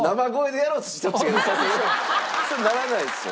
それならないですよ。